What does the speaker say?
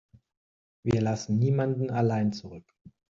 Wir lassen niemanden allein zurück.